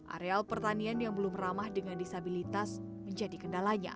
areal pertanian yang belum ramah dengan disabilitas menjadi kendalanya